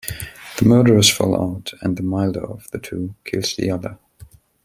The murderers fall out and the "milder" of the two kills the other.